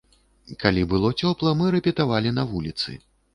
Калі было цёпла, мы рэпетавалі на вуліцы.